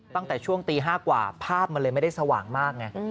ตั้งแต่ช่วงตี๕กว่าภาพมันเลยไม่ได้สว่างมากไง